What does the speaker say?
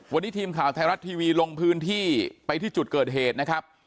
วันนี้ทีมข่าวไทยรัฐทีวีลงพื้นที่ไปที่จุดเกิดเหตุนะครับ